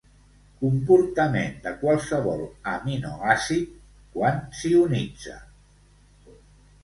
Comportament de qualsevol aminoàcid quan s'ionitza.